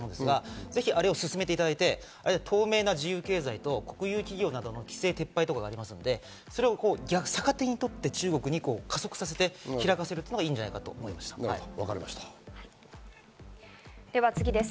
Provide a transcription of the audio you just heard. ぜひあれを進めていただいて、透明な自由経済と規制撤廃とかありますので、逆手にとって中国に加速させて開かせるというのがいいんじゃないかと思いましたでは次です。